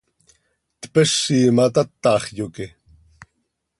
Tpezi ma, tatax, yoque.